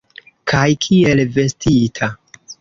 Kaj kiel vestita!